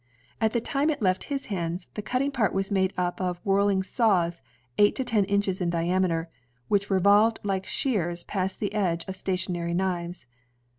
At the time it left his hands, the cutting part was made up of whirhng saws eight to ten inches in diameter, which revolved like shears past the edge of stationary knives.